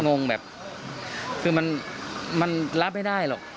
งงแบบคือมันรับไม่ได้หรอก